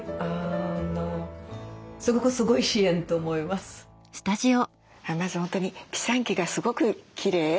まず本当にピサンキがすごくきれい。